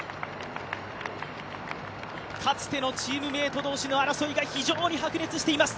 かつてのチームメート同士の争いが非常に白熱しています。